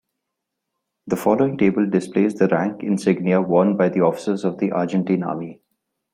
The following table displays the rank insignia worn by officers of the Argentine Army.